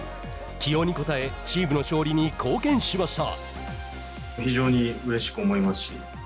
起用に応えチームの勝利に貢献しました。